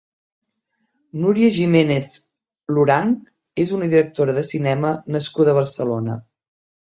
Nuria Giménez Lorang és una directora de cinema nascuda a Barcelona.